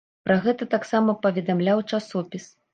Пра гэта таксама паведамляў часопіс.